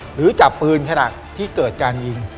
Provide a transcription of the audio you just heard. หรือจับปืนขณะที่เกิดการยิง